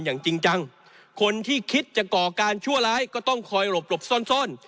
อย่างจริงจังคนที่คิดจะก่อการชั่วร้ายก็ต้องคอยหลบหลบซ่อนซ่อน